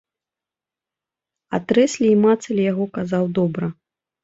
А трэслі і мацалі яго, казаў, добра.